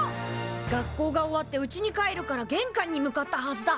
学校が終わって家に帰るから玄関に向かったはずだ。